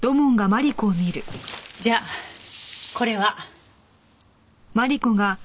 じゃあこれは？